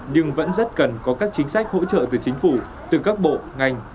nhưng vẫn rất cần có các chính sách hỗ trợ từ chính phủ từ các bộ ngành